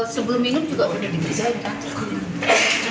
sebelum minum juga udah diberjain